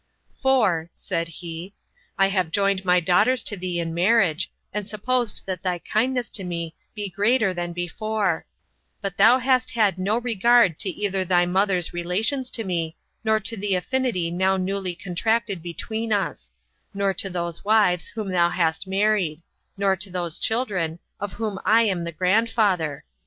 "For," said he, "I have joined my daughters to thee in marriage, and supposed that thy kindness to me be greater than before; but thou hast had no regard to either thy mother's relations to me, nor to the affinity now newly contracted between us; nor to those wives whom thou hast married; nor to those children, of whom I am the grandfather.